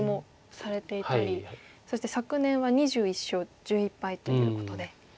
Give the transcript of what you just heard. そして昨年は２１勝１１敗ということで。